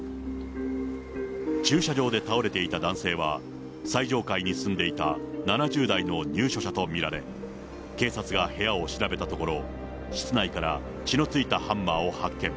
駐車場で倒れていた男性は、最上階に住んでいた７０代の入所者と見られ、警察が部屋を調べたところ、室内から血のついたハンマーを発見。